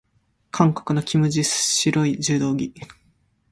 韓国のキム・ジス、白い柔道着。